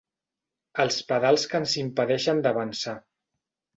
Els pedals que ens impedeixen d'avançar.